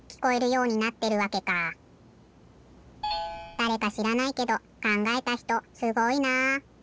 だれかしらないけどかんがえたひとすごいなあ！